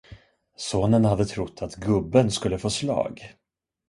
Sonen hade trott, att gubben skulle få slag.